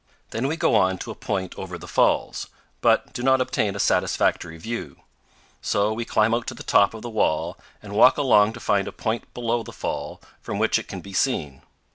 Then we go on to a point over the falls, but do not obtain a satisfactory view. So we climb out to the top of the wall and walk along to find a point below the fall from which it can be seen.